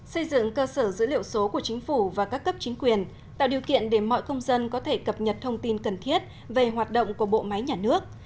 xây dựng cơ sở dữ liệu số của chính phủ và các cấp chính quyền tạo điều kiện để mọi công dân có thể cập nhật thông tin cần thiết về hoạt động của bộ máy nhà nước